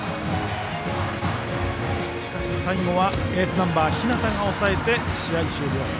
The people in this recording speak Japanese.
しかし最後はエースナンバーの日當が抑えて試合終了。